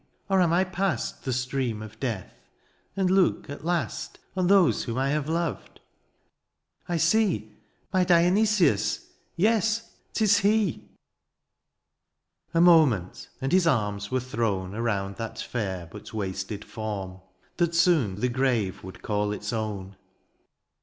or am I past " The stream of death, and look, at last, " On those whom I have loved !— I see '^ My Dionysius — ^yes, ^tis he '/* A moment, and his arms were thrown Aromid that &ir but wasted form. That soon the grave would call its own.